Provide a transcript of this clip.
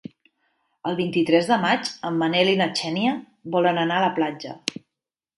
El vint-i-tres de maig en Manel i na Xènia volen anar a la platja.